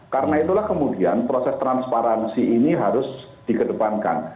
karena itulah kemudian proses transparansi ini harus dikedepankan